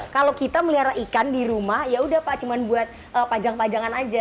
kalau kita melihara ikan di rumah ya udah pak cuma buat pajang pajangan aja